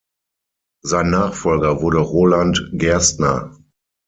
Sein Nachfolger wurde Roland Gerstner.